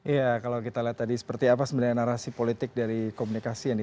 iya kalau kita lihat tadi seperti apa sebenarnya narasi politik dari komunikasi ini